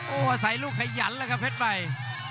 โอ้โหใส่ลูกขยันแล้วครับเพชรใบ